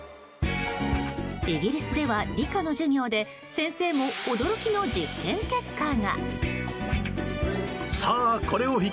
イギリスでは、理科の授業で先生も驚きの実験結果が。